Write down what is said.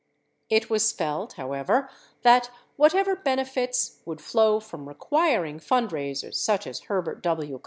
It was felt, however, that whatever benefits woul d flow from requiring fund raisers such as Herbert W.